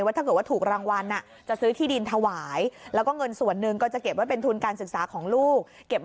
ถ้าเกิดว่าถูกรางวัลจะซื้อที่ดินถวายแล้วก็เงินส่วนหนึ่งก็จะเก็บไว้เป็นทุนการศึกษาของลูกเก็บ